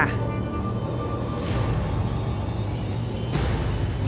เอาเขาได้จ้ะ